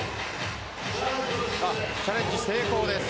チャレンジ成功です。